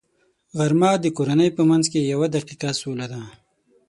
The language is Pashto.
غرمه د کورنۍ په منځ کې یوه دقیقه سوله ده